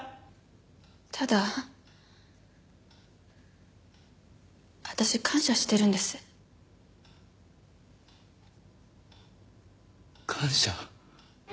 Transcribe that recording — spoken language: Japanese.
ただ私感謝してるんです。感謝？